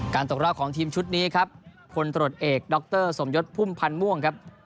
การตกล่าวของทีมชุดนี้ครับผลตรวจเอกดอกเตอร์สมยสพุ่มพันม่วงครับ